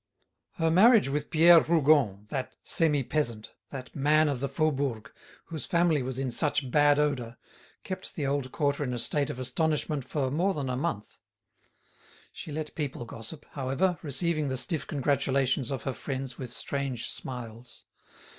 Her marriage with Pierre Rougon, that semi peasant, that man of the Faubourg, whose family was in such bad odour, kept the old quarter in a state of astonishment for more than a month. She let people gossip, however, receiving the stiff congratulations of her friends with strange smiles.